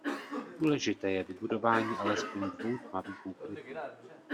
Důležité je vybudování alespoň dvou tmavých úkrytů.